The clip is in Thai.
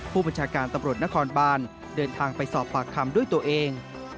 ผู้บัญชาการตำรวจนครบานเดินทางไปสอบปากคำด้วยตัวเอง